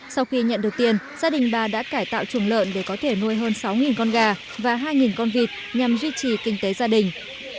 sau khi nhận được tiền gia đình bà đã cải tạo chuồng lợn để có thể nuôi hơn sáu con gà và hai con vịt nhằm duy trì kinh tế gia đình